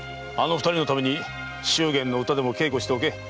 あの二人のために祝言の唄でも稽古しておけ。